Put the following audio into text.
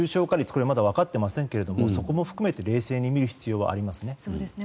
これはまだ分かっていませんがそこも含めて冷静に見る必要はありますね。